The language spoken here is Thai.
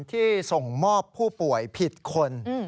ที่ส่งมอบผู้ป่วยผิดคน